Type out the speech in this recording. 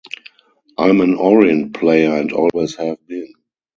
I'm an Orient player and always have been.